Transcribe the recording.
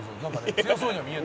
強そうには見える」